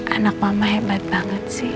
anak mama hebat banget sih